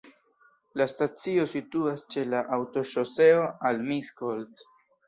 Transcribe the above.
La stacio situas ĉe aŭtoŝoseo al Miskolc.